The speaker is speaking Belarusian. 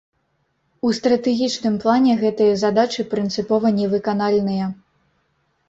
У стратэгічным плане гэтыя задачы прынцыпова не выканальныя.